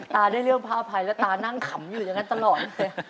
ตาได้เรื่องผ้าอภัยแล้วตานั่งขำอยู่อย่างนั้นตลอดเลย